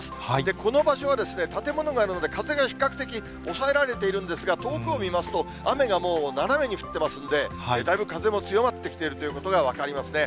この場所は建物外なので、風が比較的、抑えられているんですが、遠くを見ますと、雨がもう斜めに降ってますんで、だいぶ風も強まってきていることが分かりますね。